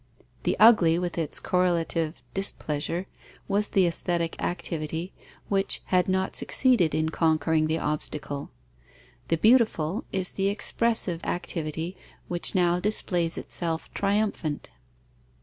The ugly, with its correlative displeasure, was the aesthetic activity, which had not succeeded in conquering the obstacle; the beautiful is the expressive activity, which now displays itself triumphant.